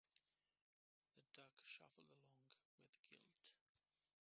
The duck shuffled along with guilt.